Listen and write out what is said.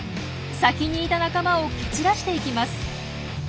先にいた仲間を蹴散らしていきます。